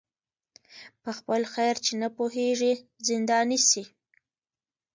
په خپل خیر چي نه پوهیږي زنداني سي